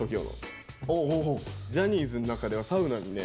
ジャニーズの中ではサウナでね